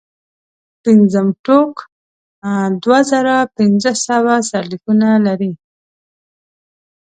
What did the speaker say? پنځم ټوک دوه زره پنځه سوه سرلیکونه لري.